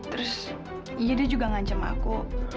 terus ya dia juga ngancam aku